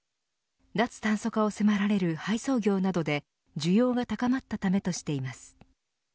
脱炭素化を迫られる配送業などで需要が高まったためとしています。